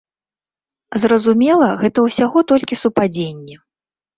Зразумела, гэта ўсяго толькі супадзенне.